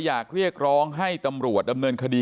อยากเรียกร้องให้ตำรวจดำเนินคดี